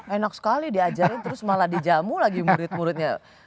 enak sekali diajarin terus malah dijamu lagi murid muridnya